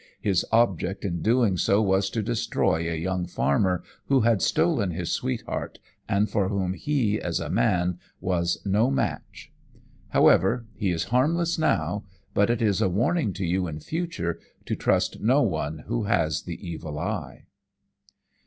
His object in doing so was to destroy a young farmer who had stolen his sweetheart, and for whom he, as a man, was no match. However, he is harmless now, but it is a warning to you in future to trust no one who has the evil eye.'"